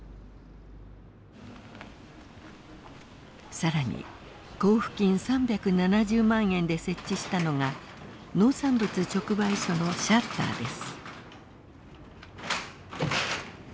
更に交付金３７０万円で設置したのが農産物直売所のシャッターです。